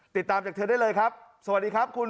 ติดตามจากเธอได้เลยครับสวัสดีครับคุณ